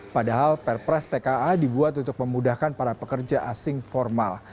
padahal perpres tka dibuat untuk memudahkan para pekerja asing formal